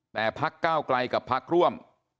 แต่ภาคเก้าไกลกับภาคร่วม